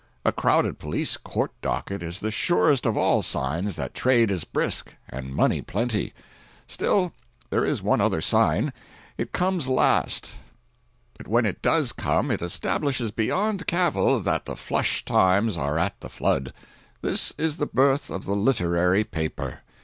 A crowded police court docket is the surest of all signs that trade is brisk and money plenty. Still, there is one other sign; it comes last, but when it does come it establishes beyond cavil that the "flush times" are at the flood. This is the birth of the "literary" paper.